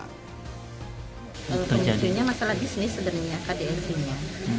fungsinya masalah bisnis sebenarnya kdlc nya